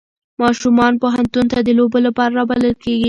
ماشومان پوهنتون ته د لوبو لپاره رابلل کېږي.